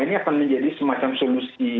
ini akan menjadi semacam solusi